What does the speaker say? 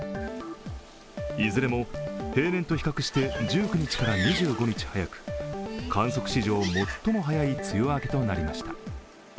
いずれも平年と比較して１９日から２５日早く観測史上最も早い梅雨明けとなりました。